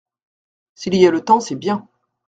S’il y a le temps c’est bien.